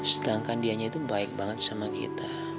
sedangkan dianya itu baik banget sama kita